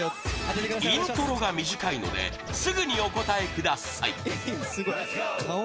イントロが短いのですぐにお答えください